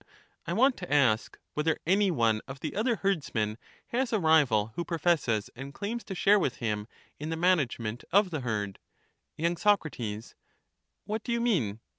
I want to ask, whether any one of the other herdsmen has a rival who professes and claims to share with him in the management of the herd *? y Soc. What do you mean